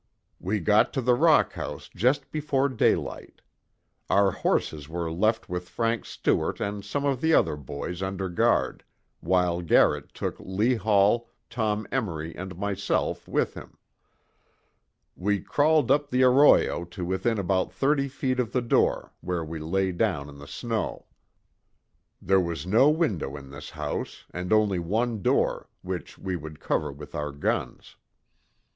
We got to the rock house just before daylight. Our horses were left with Frank Stewart and some of the other boys under guard, while Garrett took Lee Hall, Tom Emory and myself with him. We crawled up the arroyo to within about thirty feet of the door, where we lay down in the snow. There was no window in this house, and only one door, which we would cover with our guns.